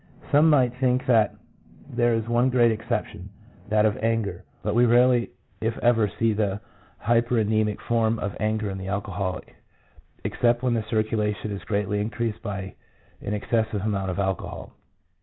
Some might think that there is one great exception, that of anger; but we rarely if ever see that hypernemic form of anger in the alcoholic, except when the circulation is greatly increased by an excessive amount of alcohol.